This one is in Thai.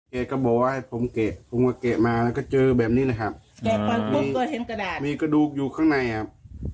เกะกระโบวะให้ผมเกะผมมาเกะมาก็เจอแบบนี้นะครับมีกระดูกอยู่ข้างในครับ